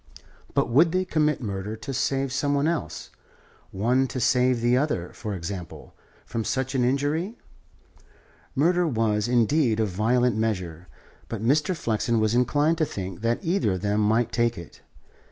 But would they commit murder to save some one else, one to save the other, for example, from such an injury? Murder was, indeed, a violent measure; but Mr. Flexen was inclined to think that either of them might take it.